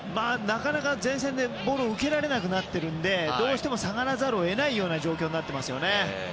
なかなか前線でボールを受けられなくなっているのでどうしても下がらざるを得ない状況になっています。